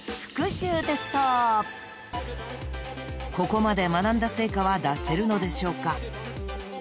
［ここまで学んだ成果は出せるのでしょうか？］